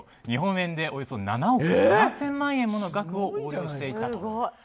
日本円でおよそ７億７０００万円もの額を横領していたと。